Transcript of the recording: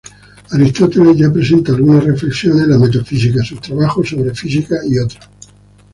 Aristóteles ya presenta algunas reflexiones en la "Metafísica", sus trabajos sobre física y otros.